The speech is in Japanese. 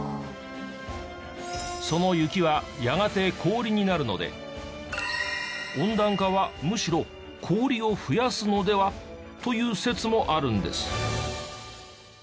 その雪はやがて氷になるので温暖化はむしろ氷を増やすのではという説もあるんです。